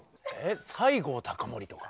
西郷隆盛とか？